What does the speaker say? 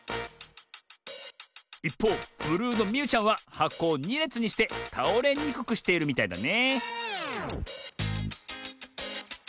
いっぽうブルーのみゆちゃんははこを２れつにしてたおれにくくしているみたいだね